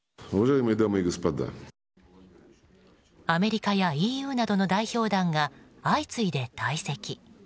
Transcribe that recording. アメリカやＥＵなどの代表団が相次いで退席。